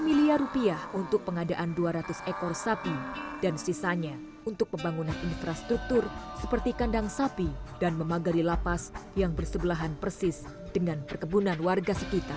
lima miliar rupiah untuk pengadaan dua ratus ekor sapi dan sisanya untuk pembangunan infrastruktur seperti kandang sapi dan memagari lapas yang bersebelahan persis dengan perkebunan warga sekitar